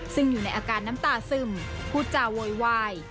ซึ่งอยู่ในอาการน้ำตาซึมพูดจาโวยวาย